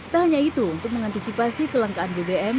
tak hanya itu untuk mengantisipasi kelangkaan bbm